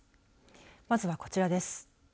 まずはこちらです。